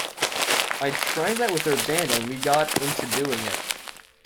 I tried that with our band and we got into doing it.